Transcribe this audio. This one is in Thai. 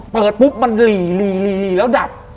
เปิดปุ๊บมันหลีแล้วดับ